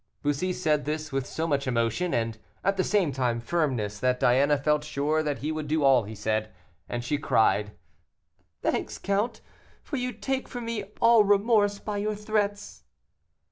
Bussy said this with so much emotion, and, at the same time firmness, that Diana felt sure that he would do all he said, and she cried, "Thanks, count, for you take from me all remorse by your threats."